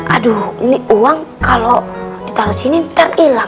aduh ini uang kalau ditaruh di sini ntar hilang